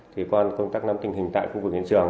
thì qua công tác nắm tình hình tại khu vực hiện trường